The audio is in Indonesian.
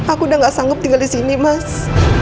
aku udah gak sanggup tinggal disini mas